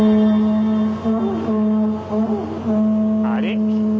あれ？